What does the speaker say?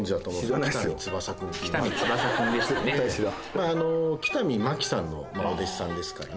まあ北見マキさんのお弟子さんですからね